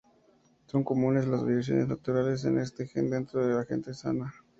Son comunes las variaciones naturales en este gen dentro de la gente sana.